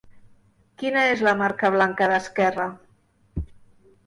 Quina és la marca blanca d'Esquerra?